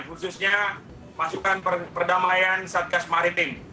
khususnya masukan perdamaian satgas maritim